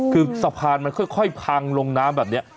คือสะพานมันค่อยพังลงน้ำแบบนี้